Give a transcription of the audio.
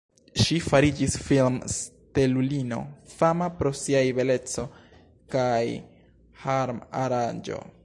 Ŝi fariĝis film-stelulino, fama pro siaj beleco kaj har-aranĝo.